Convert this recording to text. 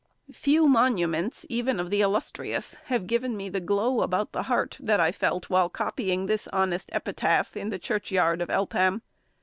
Few monuments, even of the illustrious, have given me the glow about the heart that I felt while copying this honest epitaph in the churchyard of Eltham.